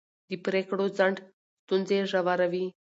د پرېکړو ځنډ ستونزې ژوروي